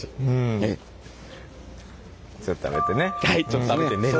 ちょっと食べて寝る。